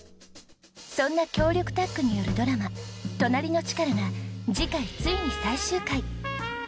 そんな強力タッグによるドラマ『となりのチカラ』が次回ついに最終回。